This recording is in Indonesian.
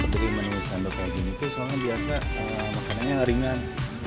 dari menu sando kayak gini tuh soalnya biasa makanannya ringan